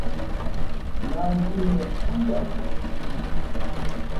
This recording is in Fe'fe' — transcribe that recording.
Lah nzʉ̄ʼ nʉα pó njáʼ shūʼ mbǐnʉα.